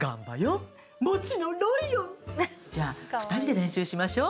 じゃあ２人で練習しましょう。